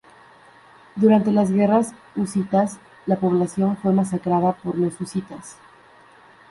Durante las guerras husitas, la población fue masacrada por los husitas.